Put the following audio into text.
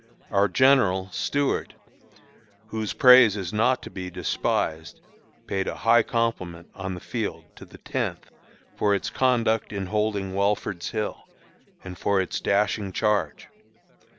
Our General (Stuart), whose praise is not to be despised, paid a high compliment on the field to the Tenth for its conduct in holding Welford's Hill, and for its dashing charge.